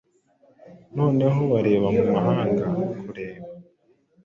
Noneho bareba mu mahanga kureba,